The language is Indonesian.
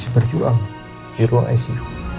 berjuang di ruang icu